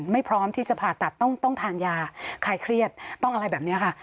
พร้อมที่จะผ่าตัดต้องทานยาคลายเครียดต้องอะไรแบบนี้ค่ะ